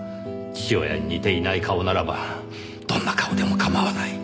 父親に似ていない顔ならばどんな顔でも構わない。